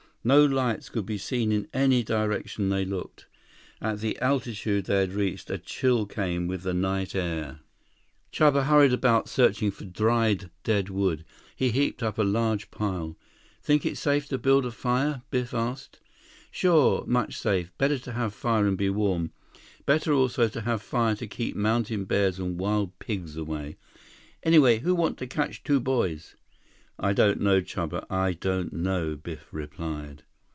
No lights could be seen in any direction they looked. At the altitude they had reached, a chill came with the night air. Chuba hurried about searching for dried, dead wood. He heaped up a large pile. "Think it's safe to build a fire?" Biff asked. "Sure. Much safe. Better to have fire and be warm. Better also to have fire to keep mountain bears and wild pigs away. Anyway, who want to catch two boys?" "I don't know, Chuba. I don't know," Biff replied.